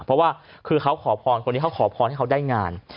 เพราะว่าคือเขาขอพรคนนี้เขาขอพรให้เขาได้งาน